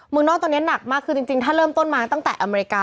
เมืองนอกตอนนี้หนักมากคือจริงถ้าเริ่มต้นมาตั้งแต่อเมริกา